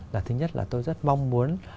là thứ nhất là tôi rất mong muốn